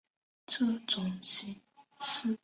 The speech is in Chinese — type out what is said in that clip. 这种形式后来发展成为了赋格。